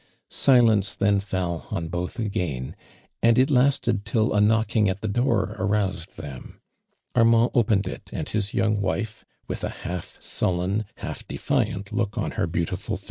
Silence then fell on both again, and it lasted till a knocking at the door aroused them. Armund opened it and bis young wife, with a half sullen, lialf defiant look on her beautiful face, entered.